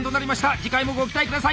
次回もご期待下さい。